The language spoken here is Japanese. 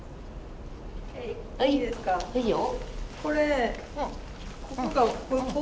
いいよ。